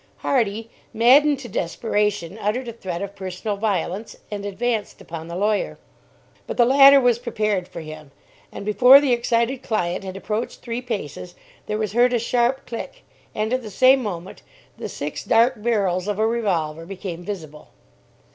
Hardy, maddened to desperation, uttered a threat of personal violence, and advanced upon the lawyer. But the latter was prepared for him, and, before the excited client had approached three paces, there was heard a sharp click; and at the same moment, the six dark barrels of a "revolver" became visible.